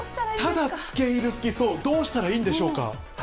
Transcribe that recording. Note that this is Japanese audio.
ただ、つけいる隙、そう、どうしたらいいんでしょうか。